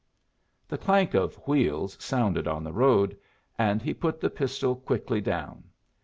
The clank of wheels sounded on the road, and he put the pistol quickly down.